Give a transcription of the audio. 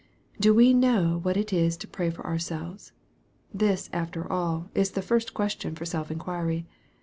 Do we know what it is to pray for ourselves ? This, after all, is the first question for self inquiry.